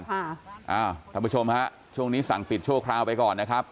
ท่านผู้ชมฮะช่วงนี้สั่งปิดชั่วคราวไปก่อนนะครับ